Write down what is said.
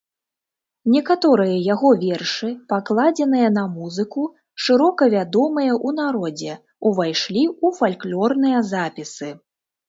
Некаторыя яго вершы, пакладзеныя на музыку, шырока вядомыя ў народзе, увайшлі ў фальклорныя запісы.